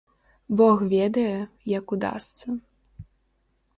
Бог ведае, як удасца.